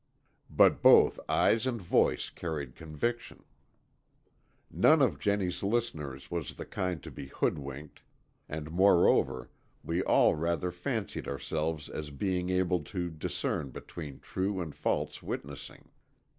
But both eyes and voice carried conviction. None of Jennie's listeners was the kind to be hoodwinked, and moreover we all rather fancied ourselves as being able to discern between true and false witnessing.